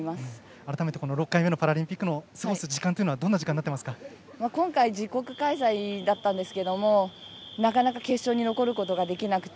改めて６回目のパラリンピックは今回自国開催だったんですけどなかなか決勝に残ることができなくて。